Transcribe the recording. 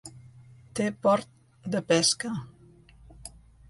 Té port de pesca.